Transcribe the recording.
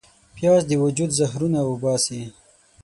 پیاز د وجود زهرونه وباسي